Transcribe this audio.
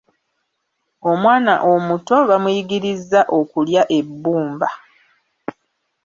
Omwana omuto bamuyigirizza okulya ebbumba.